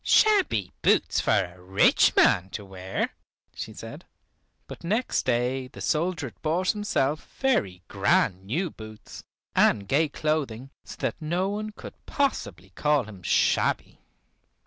"Shabby boots for a rich man to wear," she said. But next day the soldier had bought himself very grand new boots, and gay clothing, so that no one could possibly call him shabby.